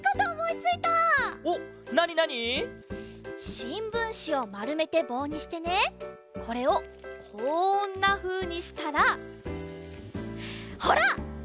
しんぶんしをまるめてぼうにしてねこれをこんなふうにしたらほらわっかができちゃう！